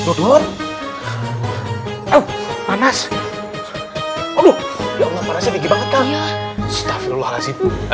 oh panas ya allah panasnya tinggi banget astaghfirullahaladzim